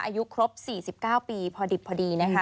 อายุครบ๔๙ปีพอดิบพอดีนะคะ